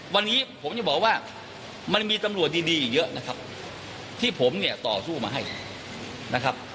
วันนี้ผมจะบอกว่ามันมีตำรวจดีอีกเยอะนะครับที่ผมเนี่ยต่อสู้มาให้นะครับ